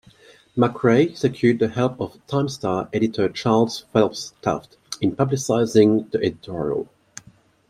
McRae secured the help of "Times-Star" editor Charles Phelps Taft in publicizing the editorial.